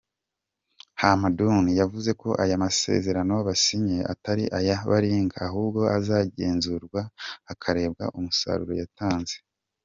Hamadoun yavuze ko aya masezerano basinye atari aya baringa ahubwo azagenzurwa hakarebwa umusaruro yatanze.